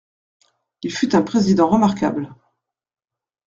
Il fut un président remarquable.